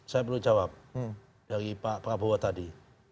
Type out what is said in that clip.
saya perlu jawab dari pak prabowo tadi